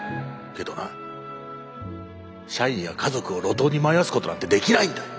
けどな社員や家族を路頭に迷わすことなんてできないんだよ。